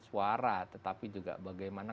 suara tetapi juga bagaimana